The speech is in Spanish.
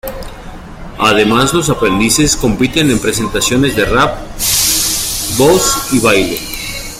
Además, los aprendices compiten en presentaciones de rap, voz y baile.